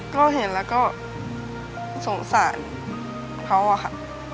ก็เห็นแล้วก็สงสารเขาอะค่ะ